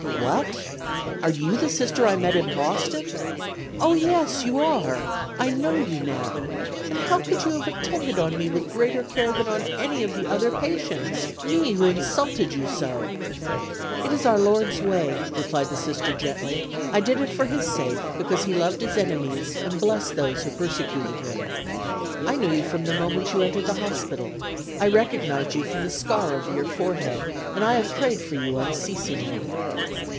"What! Are you the Sister I met in Boston? Oh, yes! you are I know you now. And how could you have attended on me with greater care than on any of the other patients? me who insulted you so." "It is our Lord's way," replied the Sister gently. "I did it for His sake, because He loved His enemies and blessed those who persecuted Him. I knew you from the moment you entered the hospital. I recognized you from the scar over your forehead, and I have prayed for you unceasingly."